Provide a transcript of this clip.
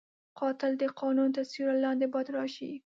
قاتل د قانون تر سیوري لاندې باید راشي